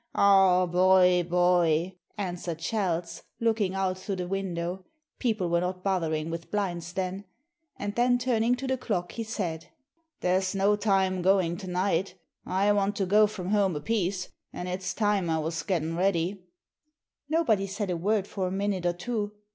'Aw, boy, boy,' answered Chalse, looking out through the window people were not bothering with blinds then and then turning to the clock, he said: 'There's no time goin' to night: I want to go from home apiece, an' it's time I was gettin' ready.' Nobody said a word for a minute or two.